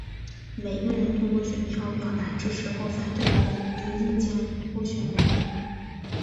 每一个人通过选票表达支持或反对某一意见或候选人。